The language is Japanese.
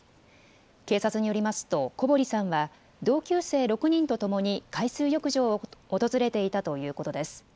警察によりますと小堀さんは同級生６人と共に海水浴場を訪れていたということです。